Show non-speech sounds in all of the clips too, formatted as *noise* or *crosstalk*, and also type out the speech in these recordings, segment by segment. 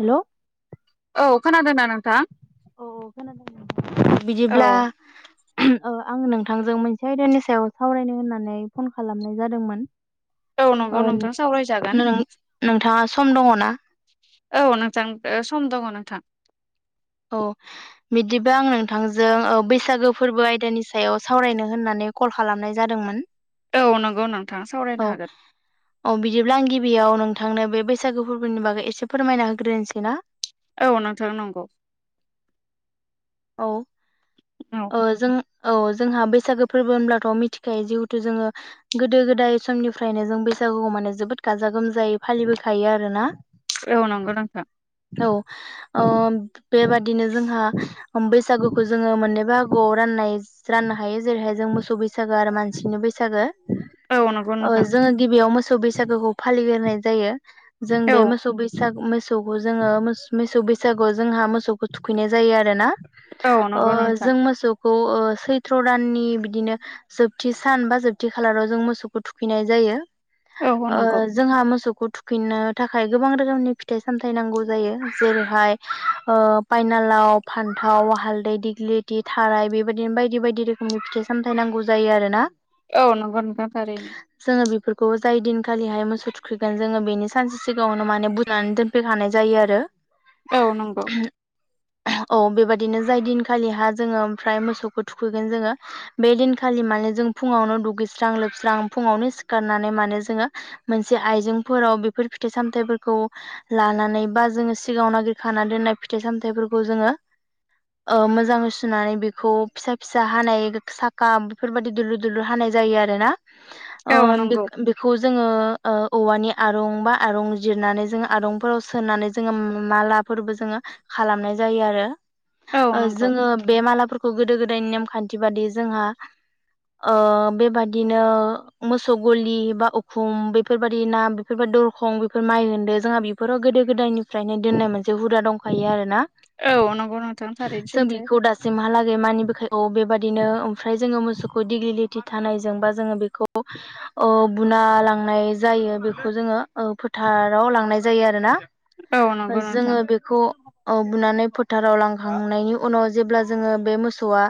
हेल' औ खोनादों ना नोंथां? औ औ खोनादों *inaudible* औ बिदिब्ला ओ आं नोंथांजों मोनसे आयदानि सायाव सावरायनो होननानै फन खालामनाय जादोंमोन। औ नंगौ ओ नोंथां सावरायजागोन नों नोंथाङा सम दङ ना? औ नोंथां ओ सम दङ नोंथां। औ बिदिबा आं नोंथांजों ओ बैसागो फोर्बो आयदानि सायाव सावरायनो होननानै ऐ कल खालामनाय जादोंमोन औ नंगौ नोंथां सावरायनो औ हागोन औ बिदिब्ला आं गिब बियाव नोंथांनो बे बैसागु फोर्बोनि बागै एसे फोरमायना होग्रोनोसै ना? औ नोंथां नंगौ। औ। औ ओ जों औ जोंहा बैसागो फोर्बो होनब्लाथ' मिथिखायो जिहुथु जोङो गोदो गोदाय समनिफ्रायनो जों बै बैसागुखौ माने जोबोद गाजा गोमजायै फालिबोखायो आरोना। औ नंगौ नोंथां। औ ओ बेबादिनो जोंहा बैसागुखौ जोङो मोनो बाहागोआव राननाय राननो हायो जेरैहाय जों मोसौ बैसागो आरो मानसिनि बैसागो। औ नंगौ ओ नोंथां जोङो गिबियाव मोसौ बैसागोखौ फालिग्रोनाय जायो। जों औ बे मोसौ बैसाग मोस सौखौ जोङो मोस मेसौ बैसागुआव जोंहा मोसौखौ थुखैनाय जायो आरो ना। औ नोंगौ नोंथ जों मोसौ खौ ओ सैथ्र' दाननि बिदिनो जोबथि सान बा जोबथि खालाराव जों मोसौखौ थुखैनाय जायो। औ ओ नंगौ जोंहा मोसौ खौ थुखिनो थाखाय गोबां रोखोमनि फिथाइ सामथाइ नांगौ जायो जेरैहाय ओ पाइना हालाव फान्थाव हालदै दिग्लित थि थाराइ बेबादिनो बायदि बायदि रोखोमनि फिथाइ सामथाइ नांगौ जायो आरोना। औ नंगौ नोंथां थारैनो। खौ जाय दिनखालिहाय मोसौ थुखैगोन जोङो बेनि सानसे सिगाङावनो माने बुनानै दोनफैखानाय जायो आरो। औ नंगौ औ बेबायदिनो जाय दिनखालि हा जोङो ओमफ्राय मोसौखौ थुखैगोन जोङो बे दिनखालि माने जों फुङावनो दुगैस्रां लोबस्रां फुङावनो सिखारनानै माने जोङो मोनसे आइजेंफोराव बेफोर फिथाइ सामथाइफोरखौ ला लानायबा जों सिगांआव नागिर खाना दोन्नाय फिथाइ सामथाइफोरखौ जोङो ओ मोजां सु सुनानै बेखौ फिसा फिसा हानाय साखा बेफोरबादि दुलुर दुलुर हानाय जायो आरोना। ओ औ नंगौ बेख-बेखौ जोङो ओ औवा‌ नि आरं बा आरं जिरनानै जोङो आरंफोराव सोनानै जोङो मालाफोरबो जोङो खालामनाय जायो आरो। औ ओ नंगौ। जोङो बे मालाफोरखौ गोदो गोदायनि नेम खान्थि बादि जोंहा ओ बेबादिनो मोसौ गलि बा उखुम बेफोरबादि ना बेफोरबादि दरखं बेफोर माइ होनदो जोंहा बिफोराव गोदो गोदायनिफ्रायनो दोननाय मोनसे हुदा दंखायो आरोना। औ नंगौ नोंथां थारैनो सैथो। खौ दासिमहालागै मानि बोखाय औ बेबादिनो ओमफ्राय जोङो मोसौखौ दिग्लिलेथि थानायजों बा जोङो बे खौ ओ बुना लांनाय जायो बेखौ जोङो ओ फोथाराव लांनाय जायो आरोना। औ ओ नंगौ नोंथां जोङो बेखौ ओ बुनानै फोथाराव लांखांनायनि उनाव जेब्ला जोङो बे मोसौआ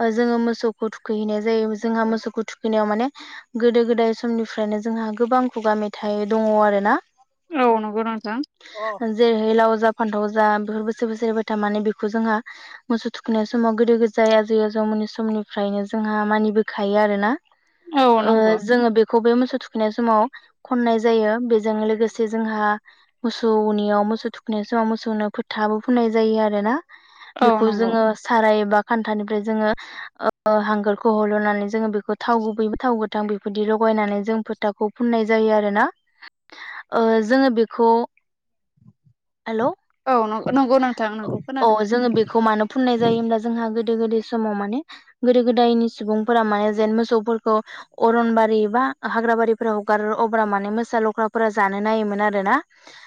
ओ जोङो मोसौखौ थुखैहैनाय जायो जोंहा मोसौखौ थुखै नायाव माने गोदो गोदाय समनिफ्रायनो जोंहा गोबां खुगा मेथाइ दङ आरोना। औ नंगौ नोंथां *unintelligible* जेरैहाय लाव जा फान्थाव जा बेफोर बोसोर बोसोर एरबाय था माने बेखौ जोंहा मोसौ थुखनाय समाव गोदो गोदाय आजै आजौमोननि समनिफ्रायनो जोंहा मानिबोखायो आरो ना। औ ओ नंगौ जोङो बेखौबो मो सौ थुखैनाय समाव खननाय जायो बेजों लोगोसे जोंहा मोसौनियाव मोसौ थुखै नाय समाव मोसौनो फोथाबो फुननाय जायो आरोना औ बेखौ नंगौ जोङो साराय एबा खान्थानिफ्राय जोङो ओ हांगारखौ हलनानै जोङो बेखौ थाव गुबै थाव गोथां बेफोरदि ल नानै जों फोथाखौ फोनाय जायो आरो ना ओ जोङो बेखौ हेल औ नंगौ नोंथां नंगौ अ खोनादों जोङो बे खौ मानो फनाय जायो हब्ला जोंहा गोदो गोदाय समाव माने गोदो गोदायनि सुबुंफोरा माने जेन मोसौ फोरखौ अरनबारि बा हाग्र बारिफोराव हगारो अब्ला माने मोसा लख्राफोरा जानो नायोमोन आरो ना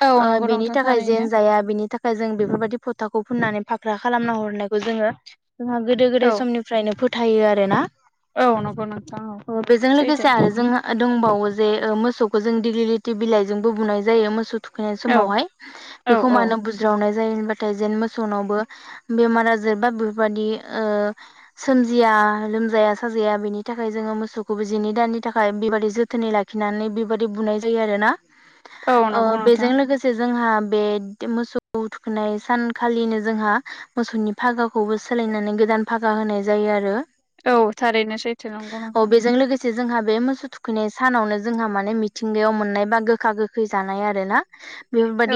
औ ओ नंगौ बेनि नोंथां थाखाय थारैनो जेन जाया बेनि थाखाय जों बेफोरबायदि फथाखौ फुननानै फाख रा खालामना हरनायखौ जोङो जोंहा गोदो गोदाय औ समनिफ्रायनो फोथायो आरो ना औ नंगौ नोंथां औ अ बेजों सैथो लोगोसे आरो जोंहा दंबावो जे ओ मोसौ खौ जों दिग्लिटि बिलाइजोंबो बुनाय जायो मोसौ थुखैनाय औ समावहाय औ बेखौ औ मानो बुज्रावनाय जायो होनबाथाय जेन मोसौनावबो बेमार आजार बा बेफोरबादि ओ सोमजिया लोमजाया साजाया बेनि थाखाय जोङो मोसौखौबो जिनै दाननि थाखाय बेबादि जोथोनै लाखिनानै बेबायादि बुनाय जायो आरो ना। औ अ नंगौ नोंथां बेजों लोगोसे जोंहा बे मोसौ थुखैनाय सानखालिनो जोंहा मोसौनि भागाखौबो सोलायनानै गोदान फागा होनाय जायो आरो औ थारैनो सैथो नंगौ औ नोंथां। बेजों लोगोसे जोंहा बे मोसौ थुखैनाय सानावनो जोंहा माने मिथिंगायाव मोननाय बा गोखा गोखै जानाय आरोना।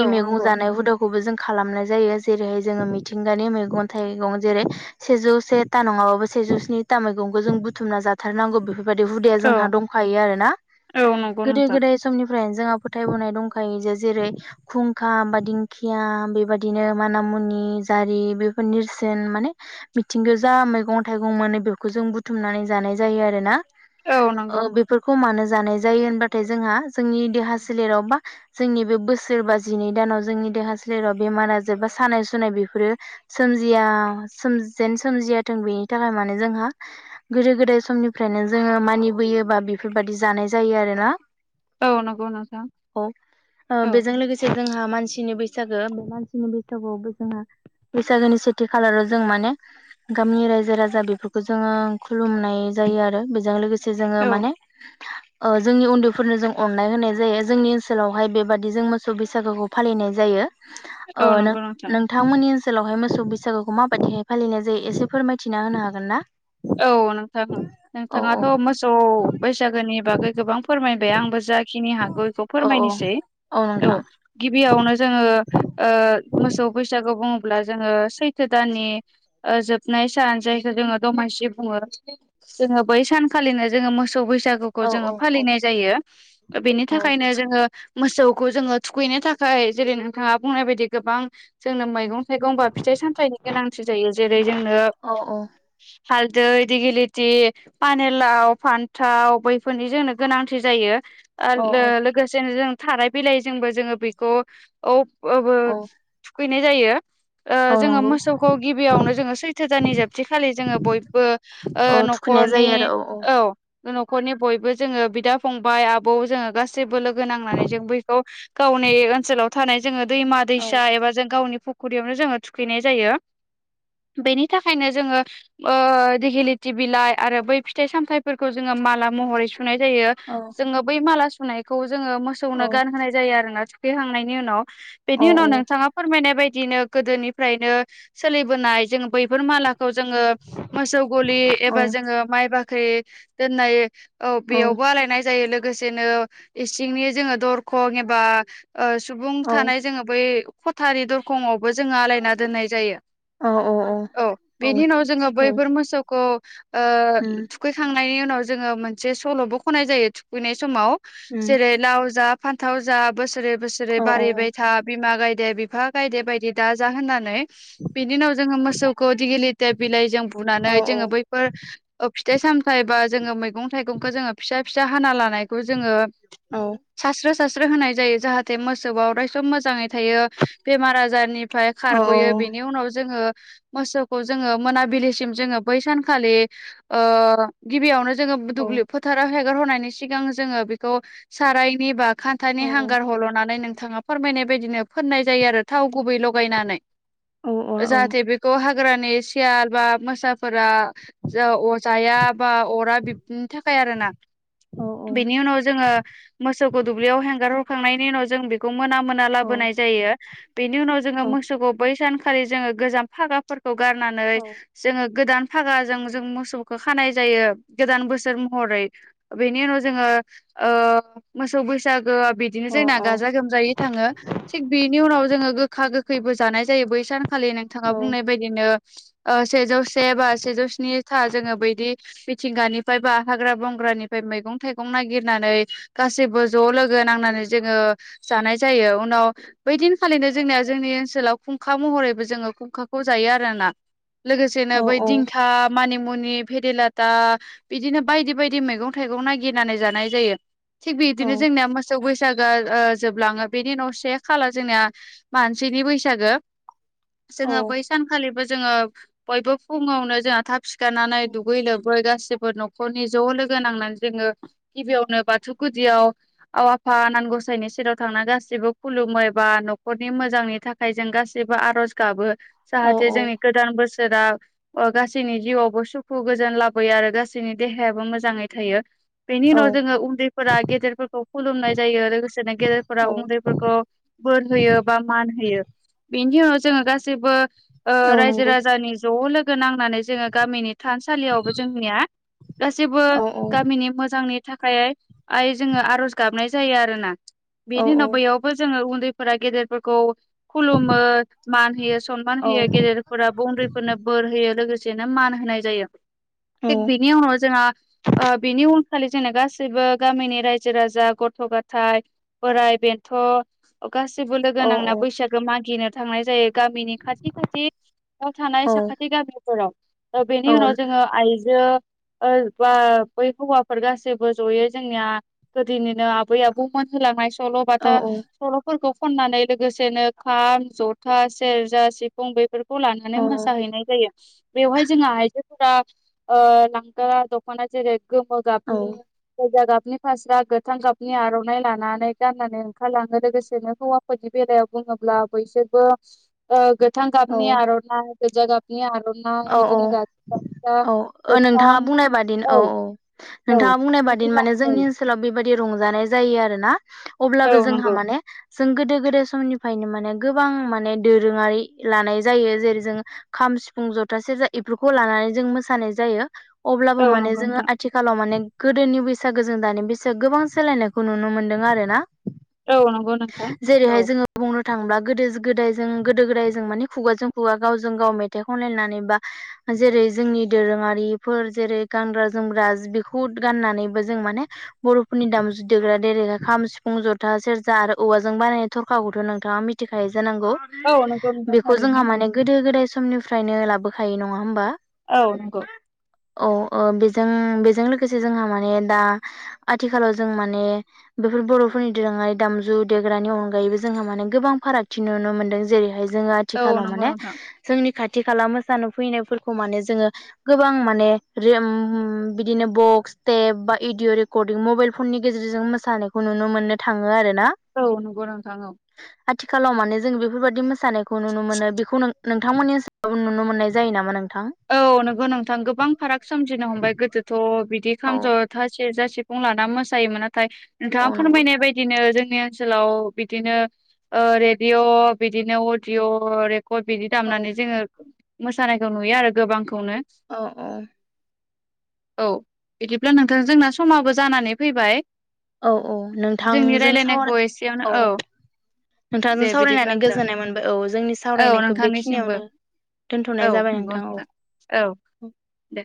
औ मैगं नंगौ जानाय हुदाखौबो जों खालामनाय जायो जेरैहाय जोङो मिथिंगानि मैगं थाइगं जेरै सेजौ से था नङाबाबो सेजौ स्नि था मैगंखौ जों बुथुमना जा थारनांगौ बेफोरबादि हुदाया औ जोंहा दंखायो आरो ना। औ नंगौ गोदो नोंथां गोदाय समनिफ्राय जोंहा फोथायबोनाय दंखायो जे जेरै खुंखा बा दिंखिया बेबदिनो माना मुनि जारि बेफोर नेरसोन माने मिथिंगायाव जा मैगं थाइगं मोनो बेखौ जों बुथुमनानै जानाय जायो आरो ना औ नंगौ ओ बेफोरखौ मानो जानाय जायो होनबाथाय जोंहा जोंनि देहा सोलेराव बा जोंनि बे बोसोर बा जिनै दानाव जोंनि देहा सोलेराव बेमार आजार बा सानाय सुनाय बे फोरो सोमजिया जेन सोमजियााथों बेनि थाखाय मानो जोंहा गोदो गोदाय बे समनिफ्रायनो जोङो मानिबोयोबा बेफोरबायाददि जानाय जायो आरो ना। औ नंगौ नोंथां औ ओ औ बेजों लोगोसे जोंहा मानसिनि बैसागो बे मानसिनि बैसागुआवबो जोंहा बैसागोनि सेथि खालाराव जों माने गामिनि रायजो राजा बेफोरखौ जोङो खुलुमनाय जायो आरो बेजों लोगोसे जोङो औ माने ओ जोंनि उन्दैफोरनो जों अननाय होनाय जायो जोंनि ओनसोलावहाय बेबादि जों मोसौ बैसागोखौ फालिनाय जायो। ओ औ नों नंगौ नोंथां नोंथांमोननि ओनसोलावहाय मोसौ बैसागुखौ माबायदिहाय फालिनाय जायो एसे फोरमायथिना होनो हागोन ना? औ नोंथां औ नोंथाङाथ मोसौ बैसागोनि बागै गोबां फोरमायबाय आंबो ज जाखिनि हागौ बेखौ औ औ फोरमायनोसै। औ गिबियावनो जोङो मोसौ बैसागु बुङो ब्ला जोङो सैथो दाननि जोबनाय सान जायखौ जोङो दमासि बुङो जोङो बै सानखालिनो जोङो मोसौ बै सागुखौ औ जोङो औ औ फालिनाय जायो बेनि औ थाखायनो जोङो मोसौखौ जोङो थुखैनो थाखाय जेरै नोंथाङा बुंनाय बायदि गोबां जोंनो मैगं बा फिथाइ गंबा फिथाइ सामथाइनि गोनांथि जायो जेरै जोंनो औ हालदै, दिगिलिटि, पानेलाव, फान्थाव बैफोरनि जोंनो गोनांथि जायो। ओ औ औ लोगोसेनो जों थाराय बिलायजोंबो जोङो बेखौ औ *unintelligible* औ थुखैनाय जायो। ओ औ जोङो नंगौ मोसौखौ गिबियावनो जोङो सैथो दानि जोबथिखालि जोङो बय बो ओ औ थुखैनाय न'खरनि जायो आरो औ न'खरनि बयबो जोङो बिदा फंबाय आबौ जोङो गासैबो लोगो नांनानै जों बखौ गावनो ओनसोलाव थानाय जोङो दैमा औ दैसा एबा जों गावनि फुख्रियावनो जोङो थुखैनाय जायो बेनि थाखायनो जोङो। ओ दिगिलिथि बिलाइ आरो बै फिथाइ सामथायफोरखौ जोङो माला महरै सुनाय जायो औ जोङो बै माला सुनायखौ जोङो औ मोसौनो गानहोनाय जायो आरोना। थुखैखांनायनि उनाव औ बेनि उनाव नोंथाङा फोरमायनाय बायदि बिदिनो गोदोनिफ्रायनो सोलिबोनाय जोङो बैफोर मालाखौ जोङो। मोसौ गलि औ एबा जोङो माइ बाख्रि दोननाय औ बेयावबो आलायनाय जायो लोगोसेनो इसिंनि जोङो दरखं एबा ओ सुबुं औ थानाय जोङो बै खथानि दरखंआव जोंङो आलायना दोननाय जायो औ औ औ उम बेनि उनाव जोंङो। बैफोर मोसौखौ ओ थुखैखांनायनि उनाव जोंङो मोनसे सल'बो खननाय जायो थुखैनाय समाव उम जेरै लाव जा फान्थाव जा बो सोरै बोसोरै औ औ बारिबाय था बिमा गाय दे बिफा गायदे बायदि दा जा होननानै बिनि उनाव जों मोसौखौ दिगलिति बिलाइ बुनानै औ जोङो बैफोर फिथाइ सामथायाइ बा जोङो मैगं थाइगंखो जोङो फि फिसा हाना लानायखौ जोंङो सास्रोद सास्रो होनाय जायो जाहाथे मोसोवा अरायस मोजांङै थायो बेमार आजारनिफ्राय खारग'यो बेनि औ उनाव जोङो। मोसौखौ जोङो मोनाबिलिसिम जोङो बै सानखालि ओ गिबियावनो जोंङो औ दुब्लि फोथाराव हेगारहरनायनि सिगां जोङो बेखौ सारायनि बा खान्थानि औ औ हांगार हल'नानै नोंथाङा फोरमायनाय बायदिनो फोननाय जायो आरो थाव गुबै लगायनानै औ औ जाहाथे बेखौ हाग्रानि सियाल बा मोसाफोरा जाया बा अरा बिनि थाखाय आरो ना। बेनि उनाव जोङो मोसौखौ दुब्लियाव हेंगार हरखांनायनि उनाव जों बेखौ मोना मोना लाबोनाय जायो बेनि उनाव जोङो मोसौखौ बै सानखालि जोङो गोजाम फागाफोर खौ गारनानै जोङो गोदान फागाजों जों मोसौखौ खानाय जायो गोदान बोसोर महरै बेनि उनाव जोङो ओ मोसौ बैसागु बिदिनो जोंना गाजा गोमजायै थाङो थिग बिनि उनाव जोङो। गोखा गोखैबो जानाय जायो बै सानखालि नोंथाङा बुंनाय बायदिनो ओ सेजौसे बा सेजौ स्नि था जोङो बैदि मिथिंगानिफ्राय बा हाग्रा बंग्रानिफ्राय मैगं थाइगं नागिरनानै गासैबो ज' लोगो नांनानै जोङो जानाय जायो उनाव बै दिनखालिनो जोंनिया जोंनि ओनसोलाव खुंखा महरैबो जों *unintelligible* खौ जायोना लोगोसेनो बै दिंखा मुनि भेदेलाथा बिदिनो बायदि बायदि मैगं थाइगं नागिरनानै जानाय जायो। थिग बिदिनो जोंनिया मोसौ बै सागोआ जोबलाङो बेनि नसे से खाला जोंनिया मानसिनि बैसागो जोङो बै सानखालिबो जोङो बयबो फुङावनो जोंहा थाब सिखारनानै दुगै लोबै गासिबो न'खरनि ज' लोगो नांनानै जोङो गिबियावनो बाथौ गुदियाव आवाफा नां गसायनि सेराव थांना गासिबो खुलुमो बा न'खरनि मोजांनि थाखाय जों गासिबो आर'ज गाबो। जाहाते जोंनि गोदान बोसोरा गासैनि जिउआवबो सुखु गोजोन लाबोयो आरो गासैनि देहायाबो मोजाङै थायो। बेनि उनाव जोङो उन्दैफोरा गेदेरफोरखौ खुलुमनाय जायो लोगोसेनो गेदेरफोरा उन्दैफोरखौ। बोर होयो बा मान होयो। बेनि उनाव जोङो गासैबो ओ रायजो राजानि ज' लोगो नां माने जोङो गामिनि थानसालियावबो जोंनिया गासैबो गामिनि मोजांनि थाखाय जोङो आर'ज गाबनाय जायो आरोना बेनि उनाव बैयावबो जोङो उन उन्दैफोरा गेदेरफोरखौ खुलुमो मान होयो सनमान होयो गेदेरफोरा उन्दैफोरनो बोर होयो लोगोसेनो मान होनाय जायो। थिग बिनि उनाव जोंहा ओ बिनि उन खालि जोंनो गासैबो गामिनि रायजो राजा गथ' गाथाइ बोराइ बेन्थ' गासैबो लोगो नांना बैसागो मागिनो थांनाय जायो। गामिनि खाथि खाथि थानाय साखाथि गामिफोराव बेनि उनाव जोङो आइजो बा बै हौवाफोर गासैबो जयै जोंनिया गोदोनिनो आबै आबौमोन होलांनाय सल' बाथा सल'फोरखौ खन्नानै लोगोसेनो खाम जथा सेरजा सिफुं बेफोर -खौ लानानै मोसाहैनाय जायो। बेवहाय जोंहा आइजो फोरा ओ लांगा द'खना जेरै गोमो गाबनि गोजा गाब -नि फास्रा गोथां गाबनि आर'नाइ लानानै गाननानै ओंखारलाङो लोगोसेनो हौवाफोरनि बेलायावबो बुङोब्ला बैसोरबो ओ गोथां गाबनि आर'नाइ गोजा गाब -नि आर'नाइ बिदिनो गामसा गोथां नोंथाङा औ औ। मा बुंनाय बादि बिदिनो माने औ जोंनि ओनसोलाव बेबायदि रंजानाय जायो आरोना अब्लाबो औ जोंहा नंगौ माने जों गोदो गोदाय समनिफ्रायनो माने गोबां माने दोरोङारि लानाय जायो जेरै जों खाम सि -फुं जथा सेरजा इफोरखौ लानानै जों मोसानाय जायो अब्लाबो औ माने नंगौ जोङो नोंथां आथिखालाव माने गोदोनि बैसागो जों दानि बैसो गोबां सोलायनायखौ नुनो मोनदों आरोना। औ नंगौ नोंथां औ। थांब्ला गोदो गोदायजों गोदो गोदायजों माने खुगाजों खुगा गावजों गाव मे -थाइ खनलायनानै बा जेरै जोंनि दोरोङारिफोर जेरै गानग्रा जोमग्रा बेखौ गाननानैबो जों माने बर'फोरनि दामजु देग्रा देरेग्रा खाम सिफुं जथा सेरजा आरो औवाजों बानायनाय थरखाखौ नोंथाङा मिथिखायो जानांगौ औ नंगौ नोंथां बेखौ जोंहा थारैनो माने गोदो गोदाय समनिफ्रायनो लाबोखायो नङा होमबा औ नंगौ औ ओ बे -जों बेजों लोगोसे जोंहा माने दा आथिखालाव जों माने बेफोर बर'फोरनि दोरों -आरि दामजु देग्रानि अनगायैबो जोंहा माने गोबां फारागथि नुनो मोनदों जेरैहाय जों औ आथिखालाव नंगौ माने नोंथां जोंनि खाथि खाला मोसानो फैनायफोरखौ माने जोङो गोबां माने रोम बिदिनो बक -क्स स्टेप बा एडिअ' रेकर्डिं मबाइल फननि गेजेरजों मोसानायखौ नुनो मोननो थाङो आरो ना औ नंगौ नोंथां औ।। आथिखालाव माने जों बेफोरबादि मोसानायखौ नुनो मोनो बेखौ नों नोंथांमोननि नुनो मोननाय जायो नामा नों? औ नंगौ नोंथां गोबां फाराग सोमजिनो हमबाय गोदोथ' बिदि औ खाम ज'था सि सेरजा सिफुं लाना मोसायोमोन नाथाय औ नोंथाङा नंगौ फोरमायनाय बायदिनो जों -नि ओनसोलाव बिदिनो ओ रेडिअ' बिदिनो अडिअ' बिदि औ दामनानै जोङो मोसानायखौ नुयो आरो गोबांखौ औ औ। औ बिदिब्ला नोंथां जोंना समाबो जानानै फैबाय। औ औ जोंनि नोंथांजों रायलायनायखौ एसेयावनो सावरा औ औ। नोंथांजों दे बिदिब्ला सावरायनानै नोंथां गोजोननाय मोनबाय। औ जोंनि औ सावरायनायखौ नोंथांनिसिमबो बेखिनियावनो दोनथ'नाय औ जाबाय नंगौ नोंथां औ। औ दे।